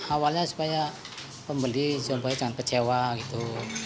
awalnya supaya pembeli sampai jangan kecewa gitu